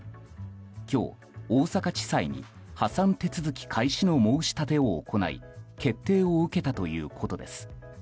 今日、大阪地裁に破産手続き開始の申し立てを行い決定を受けたということです。